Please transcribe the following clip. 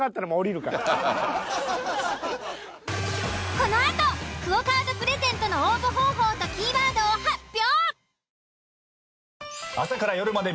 このあとＱＵＯカードプレゼントの応募方法とキーワードを発表。